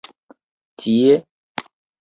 Tie?